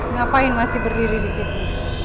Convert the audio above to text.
ngapain masih berdiri di situ